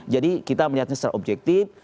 jadi kita melihatnya secara objektif